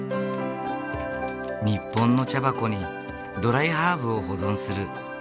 日本の茶箱にドライハーブを保存する。